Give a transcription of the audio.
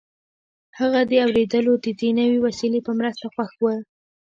هغه د اورېدلو د دې نوې وسیلې په مرسته خوښ و